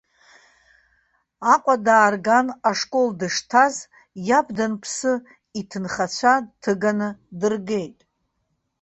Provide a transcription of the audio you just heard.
Аҟәа даарган ашкол дышҭаз, иаб данԥсы, иҭынхацәа дҭыганы дыргеит.